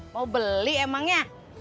mau beli emangnya